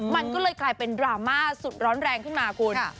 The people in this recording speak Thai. มันก็เลยกลายเป็นดราม่าสุดร้อนแรงขึ้นมาคุณ